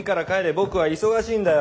僕は忙しいんだよ。